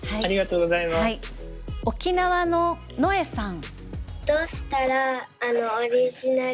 沖縄ののえさん。